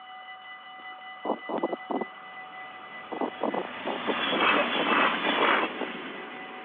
এই কেন্দ্রটি এই কেন্দ্রটি তফসিলী জাতিদের জন্য সংরক্ষিত।